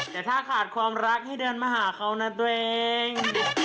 แต่ถ้าขาดความรักให้เดินมาหาเขานะตัวเอง